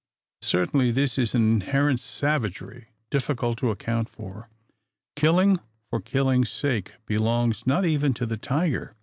Certainly this is an inherent savagery difficult to account for. Killing for killing's sake belongs not even to the tiger.